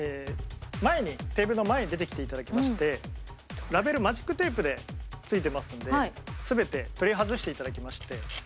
前にテーブルの前に出てきていただきましてラベルマジックテープで付いてますので全て取り外していただきまして。